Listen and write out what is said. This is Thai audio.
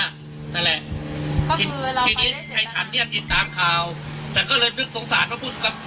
นั่นแหละก็คือทีนี้ไอ้ฉันเนี่ยติดตามข่าวแต่ก็เลยนึกสงสารก็พูดกับ